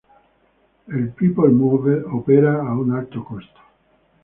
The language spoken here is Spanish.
El People Mover opera a un alto costo.